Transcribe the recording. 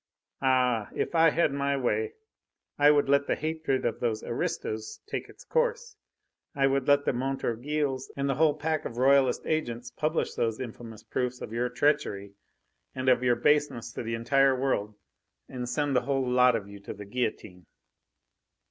Ah! if I had my way, I would let the hatred of those aristos take its course. I would let the Montorgueils and the whole pack of Royalist agents publish those infamous proofs of your treachery and of your baseness to the entire world, and send the whole lot of you to the guillotine!"